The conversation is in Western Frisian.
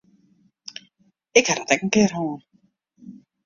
Ik ha dat ek in kear hân.